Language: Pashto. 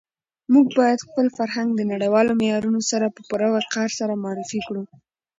موږ باید خپل فرهنګ د نړیوالو معیارونو سره په پوره وقار سره معرفي کړو.